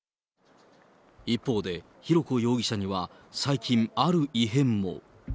一方で浩子容疑者には最近、ある異変も。